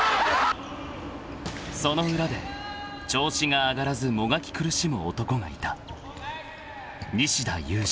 ［その裏で調子が上がらずもがき苦しむ男がいた］